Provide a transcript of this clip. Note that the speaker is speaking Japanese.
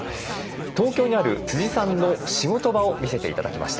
東京にあるさんの仕事場を見せて頂きました。